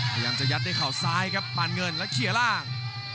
พยายามจะยัดด้วยเขาซ้ายครับปานเงินแล้วเคลียร์ล่าง